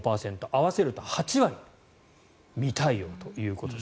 合わせると８割、未対応ということです。